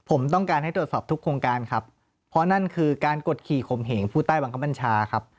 ผมต้องการให้ตรวจสอบทุกโครงการครับเพราะนั่นคือการกดขี่ขมเหงผู้ใต้บังคับบัญชาครับ